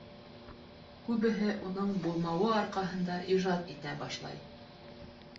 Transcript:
Күбеһе уның булмауы арҡаһында ижад итә башлай.